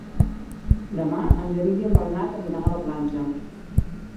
Demà en Genís i en Bernat aniran a la platja.